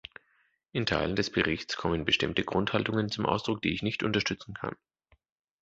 In Teilen des Berichts kommen bestimmte Grundhaltungen zum Ausdruck, die ich nicht unterstützen kann.